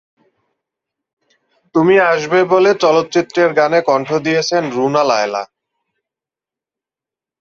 তুমি আসবে বলে চলচ্চিত্রের গানে কণ্ঠ দিয়েছেন রুনা লায়লা।